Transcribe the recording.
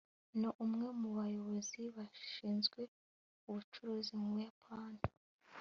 ni umwe mu bayobozi bashinzwe ubucuruzi mu buyapani